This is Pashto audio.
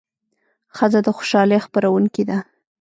ښځه د خوشالۍ خپروونکې ده.